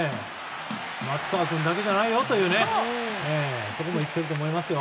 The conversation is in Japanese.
松川君だけじゃないよということも言っていると思いますよ。